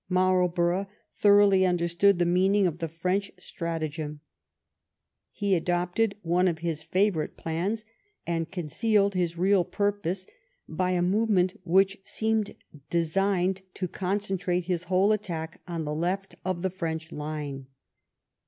Marlborough thoroughly understood the meaning of the French stratagem. He adopted one of his favorite plans, and concealed his real purpose by a movement which seemed designed to concentrate hia whole attack on the left of the French line.